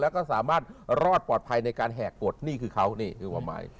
แล้วก็สามารถรอดปลอดภัยในการแหกกฎนี่คือเขานี่คือความหมาย